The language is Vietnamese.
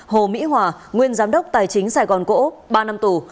hồ mỹ hòa nguyên giám đốc tài chính sài gòn cộ úc ba năm tù